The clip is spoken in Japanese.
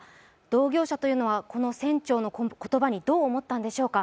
同業者というのは、この船長の言葉にどう思ったんでしょうか。